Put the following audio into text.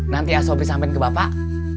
nanti asobis sampein ke bapak